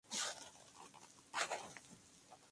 El desarrollo de la torreta de Emerson fue detenido.